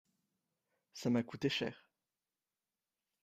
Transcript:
ça m'a coûté cher.